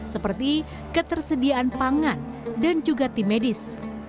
seperti ketersediaan pangan dan juga tim medis